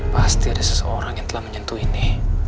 pasti ada seseorang yang telah menyentuh ini